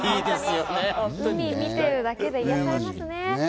海見てるだけで癒やされますね。